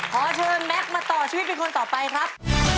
ขอเชิญแม็กซ์มาต่อชีวิตเป็นคนต่อไปครับ